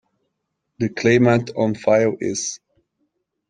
The claimant on file is...